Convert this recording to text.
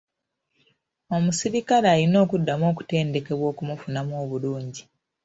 Omuserikale alina okuddamu okutendekebwa okumufunamu obulungi.